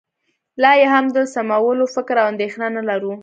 لا یې هم د سمولو فکر او اندېښنه نه لرو